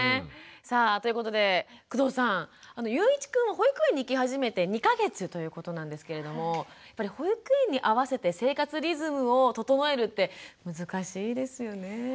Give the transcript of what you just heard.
さあということで工藤さんゆういちくん保育園に行き始めて２か月ということなんですけれどもやっぱり保育園に合わせて生活リズムを整えるって難しいですよね？